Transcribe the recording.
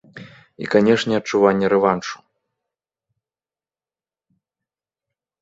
І канечне, адчуванне рэваншу.